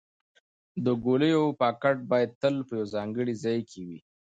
د ګولیو پاکټ باید تل په یو ځانګړي ځای کې وي.